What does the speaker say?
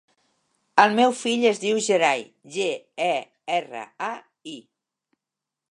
El meu fill es diu Gerai: ge, e, erra, a, i.